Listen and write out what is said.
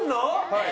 はい。